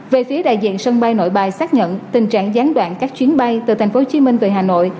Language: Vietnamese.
về phía đại diện sân bay nội bay xác nhận tình trạng gián đoạn các chuyến bay từ thành phố hồ chí minh về hà nội